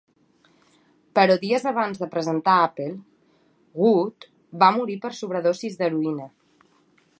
Però dies abans de presentar "Apple", Wood va morir per sobredosis d'heroïna.